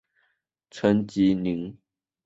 陈吉宁。